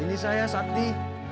ini saya sakti